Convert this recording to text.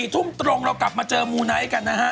ทุ่มตรงเรากลับมาเจอมูไนท์กันนะฮะ